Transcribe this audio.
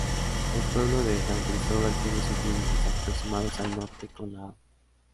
El Pueblo de San Cristóbal tiene sus límites aproximados al Norte con la Av.